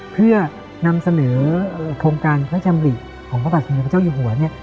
เพื่อนำเสนอโครงการพระชำริของพระบาทสมเด็จพระเจ้าอยู่หัวเนี่ย